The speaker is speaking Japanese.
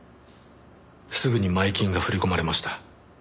すぐに前金が振り込まれました。